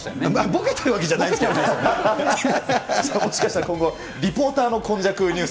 ボケてるわけじゃないですけもしかしたら、今後、リポーターの今昔ＮＥＷＳ